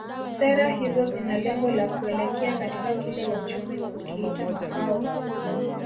Sera hizo zina lengo la kuelekea katika kile wachumi hukiita mafao